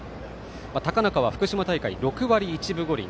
高中は福島大会６割１分５厘。